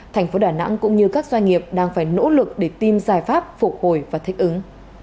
thành phố đà nẵng cũng như các doanh nghiệp đang phải nỗ lực để tìm giải pháp phục hồi và thích ứng